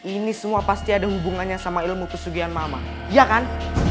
ini semua pasti ada hubungannya sama ilmu kesugian mama ya kan